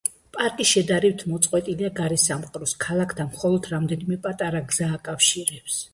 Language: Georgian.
პარკი შედარებით მოწყვეტილია გარესამყაროს, ქალაქთან მხოლოდ რამდენიმე პატარა გზა აკავშირებს.